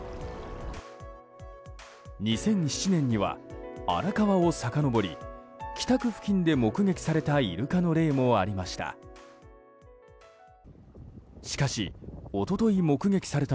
２００７年には荒川をさかのぼり北区付近で目撃されたイルカの例もありました。